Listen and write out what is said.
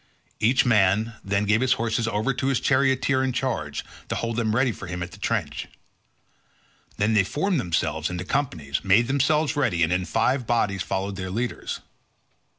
Each man then gave his horses over to his charioteer in charge to hold them ready for him at the trench. Then they formed themselves into companies, made themselves ready, and in five bodies followed their leaders.